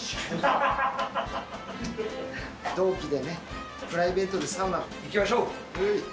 同期でね、プライベートでサ行きましょう。